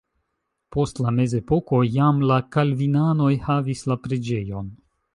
Post la mezepoko jam la kalvinanoj havis la preĝejon.